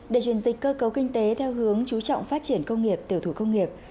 để truyền dịch cơ cấu kinh tế theo hướng chú trọng phát triển công nghiệp tiểu thủ công nghiệp